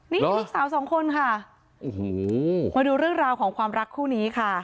นี่ลูกสาวสองคนค่ะโอ้โหมาดูเรื่องราวของความรักคู่นี้ค่ะ